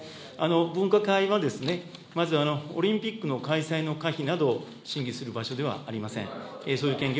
分科会はまず、オリンピックの開催の可否などを審議する場所ではありません。